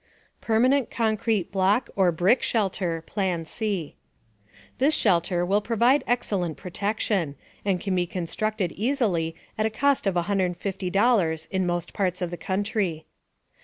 PERMANENT CONCRETE BLOCK OR BRICK SHELTER PLAN C This shelter will provide excellent protection, and can be constructed easily at a cost of $150 in most parts of the country.